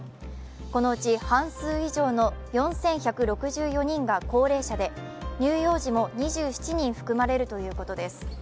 このうち半数以上の４１６４人が高齢者で乳幼児も２７人含まれるということです。